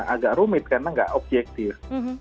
agak rumit karena nggak objektif